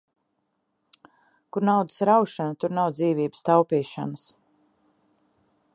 Kur naudas raušana, tur nav dzīvības taupīšanas.